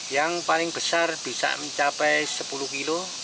yang paling besar bisa mencapai sepuluh kilo